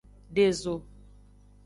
De zo.